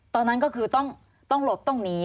ตอนนั้นก็คือต้องหลบต้องหนี